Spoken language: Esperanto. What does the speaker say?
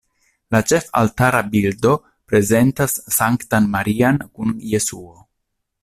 La ĉefaltara bildo prezentas Sanktan Marian kun Jesuo.